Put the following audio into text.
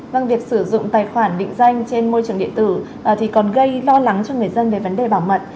vâng việc sử dụng tài khoản định danh trên môi trường điện tử thì còn gây lo lắng cho người dân về vấn đề bảo mật